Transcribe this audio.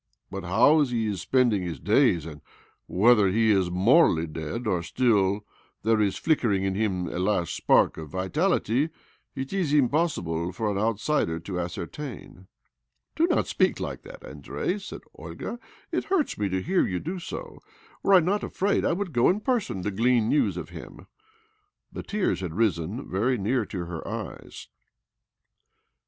But how he is spending / his days, and whether he is morally dead : or still there is flickering in him a last spark of vitality, it is impossible for an outsider to ascertain." ''Do not speak like that, Andrei," said Olga. ' It hurts me to hear you do so. Were I not afraid, I would go in person to glean news of him." The tears had risen very nea"r to her eyes.